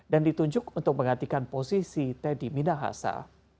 dan ditunjuk untuk mengatikan posisi teddy minahasa